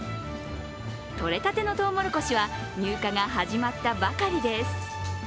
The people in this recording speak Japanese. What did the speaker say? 採れたてのとうもろこしは入荷が始まったばかりです。